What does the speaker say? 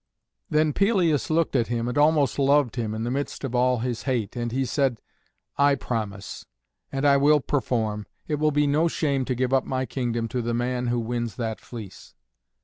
Then Pelias looked at him and almost loved him, in the midst of all his hate, and he said, "I promise, and I will perform. It will be no shame to give up my kingdom to the man who wins that fleece."